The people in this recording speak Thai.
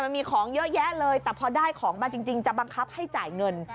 มีของเยอะแยะเลยแต่พอได้ของมาจริงจะบังคับให้จ่ายเงิน